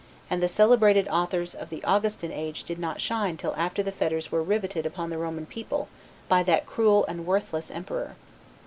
and the celebrated authors of the Augustan age did not shine till after the fetters were riveted upon the Roman people by that cruel and worthless Emperor.